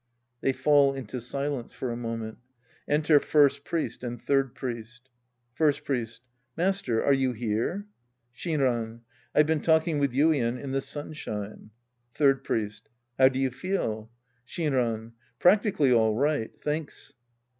(JChey fall into silence for a moment. Enter First Priest and Third Priest^ First Priest. Master, are you here ? Shinran. I've been talking with Yuien in the sunshine. Third Priest. How do you feel ? Shinran. Practically all right. Thanks.